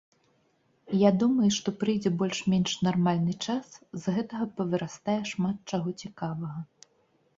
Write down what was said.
Я думаю, што прыйдзе больш-менш нармальны час, з гэтага павырастае шмат чаго цікавага.